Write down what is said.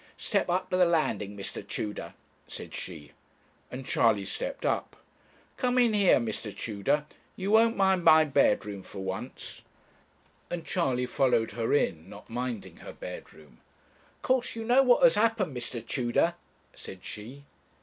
'Step up to the landing, Mr. Tudor,' said she; and Charley stepped up. 'Come in here, Mr. Tudor you won't mind my bedroom for once.' And Charley followed her in, not minding her bedroom. 'Of course you know what has happened, Mr. Tudor?' said she.